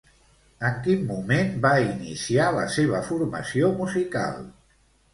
En quin moment va iniciar la seva formació musical?